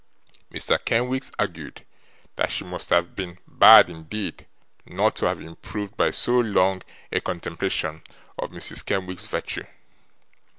Mr. Kenwigs argued that she must have been bad indeed not to have improved by so long a contemplation of Mrs. Kenwigs's virtue.